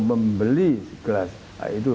membeli gelas itu